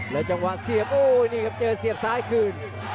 แล้วจังหวะเสียบโอ้นี่ครับเจอเสียบซ้ายคืน